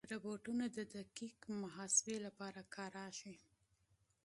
روبوټونه د دقیق محاسبې لپاره کارېږي.